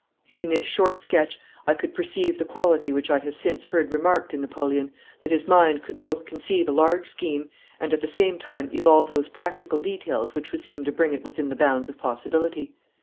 In this short sketch I could perceive the quality which I have since heard remarked in Napoleon, that his mind could both conceive a large scheme, and at the same time evolve those practical details which would seem to bring it within the bounds of possibility.